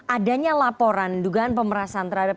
adanya laporan dugaan pemerasan terhadap